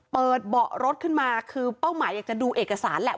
เบาะรถขึ้นมาคือเป้าหมายอยากจะดูเอกสารแหละ